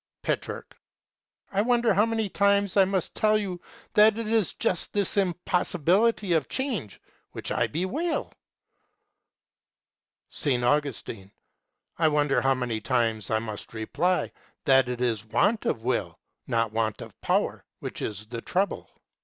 Petrarch. I wonder how many times I must tell you that it is just this impossibility of change which I bewail. S. Augustine. And I wonder how many times I must reply that it is want of will, not want of power, which is the trouble.